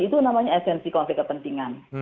itu namanya esensi konflik kepentingan